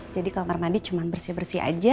jadi kamar mandi cuma bersih bersih aja